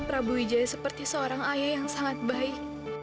prabu wijaya seperti seorang ayah yang sangat baik